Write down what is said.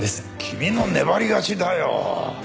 君の粘り勝ちだよ。